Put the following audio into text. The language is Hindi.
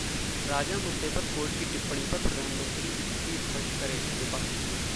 राजा मुद्दे पर कोर्ट की टिप्पणी पर प्रधानमंत्री स्थिति स्पष्ट करें: विपक्ष